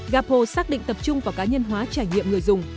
gapo xác định tập trung vào cá nhân hóa trải nghiệm người dùng